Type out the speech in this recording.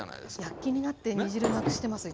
躍起になって煮汁なくしてますいつも。